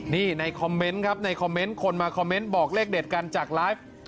นี่ในคอมเมนต์ครับในคอมเมนต์คนมาคอมเมนต์บอกเลขเด็ดกันจากไลฟ์